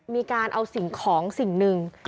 มีการเอาสิ่งของสิ่งหนึ่ง